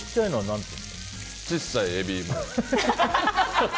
ちっさいエビイモ。